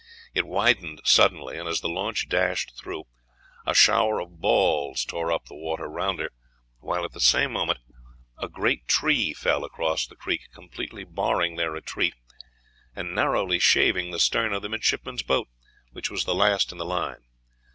It widened suddenly, and as the launch dashed through, a shower of balls tore up the water round her; while at the same moment a great tree fell across the creek, completely barring their retreat, and narrowly shaving the stern of the midshipmen's boat, which was the last in the line.